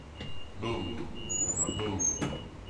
Boom Boom